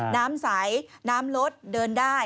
น้ำใสน้ำลดเดินได้